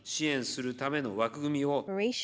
chiến lược tokyo hai nghìn hai mươi